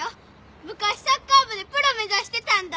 昔サッカー部でプロ目指してたんだって！